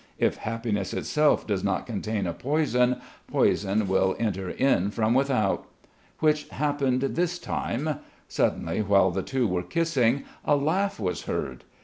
If happiness itself does not contain a poison, poison will enter in from without. Which happened this time. Suddenly, while the two were kissing, a laugh was heard.